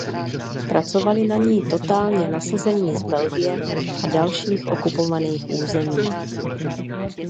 Pracovali na ní totálně nasazení z Belgie a dalších okupovaných území.